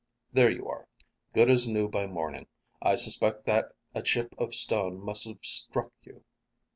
"There you are. Good as new by morning. I suspect that a chip of stone must have struck you."